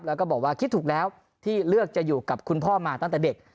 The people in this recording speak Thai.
แล้วก็บอกว่าคิดถูกแล้วที่เลือกจะอยู่กับคุณพ่อมาตั้งแต่เด็ก